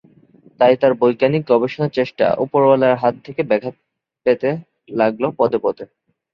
তাই তাঁর বৈজ্ঞানিক গবেষণার চেষ্টা উপরওআলার হাত থেকে ব্যাঘাত পেতে লাগল পদে পদে।